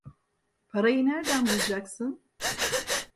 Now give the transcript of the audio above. Parayı nereden bulacaksın?